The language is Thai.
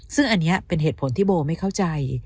ซึ่งอันนี้เป็นเหตุผลที่โบไม่เข้าใจ